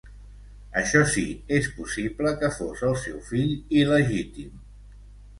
Això sí, és possible que fos el seu fill il·legítim.